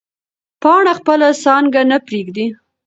پاڼه خپله څانګه نه پرېږدي.